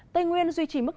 tây nguyên duy trì mức cao